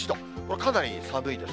かなり寒いです。